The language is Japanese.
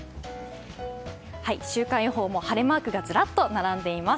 週間予報も晴れマークがずらっと並んでいます。